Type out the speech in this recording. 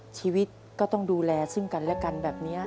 ชีวิตก็ต้องดูแลซึ่งกันและกันแบบนี้